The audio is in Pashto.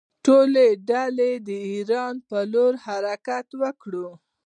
ټولې ډلې د ایران له لارې حرکت وکړ.